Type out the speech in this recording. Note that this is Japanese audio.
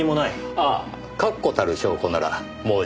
ああ確固たる証拠ならもうじきここに。